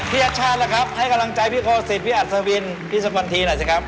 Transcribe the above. ชัดชาติล่ะครับให้กำลังใจพี่โคศิษย์พี่อัศวินพี่สกลทีหน่อยสิครับ